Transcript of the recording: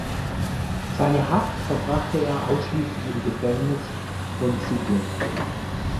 Seine Haft verbrachte er ausschließlich im Gefängnis von Sighet.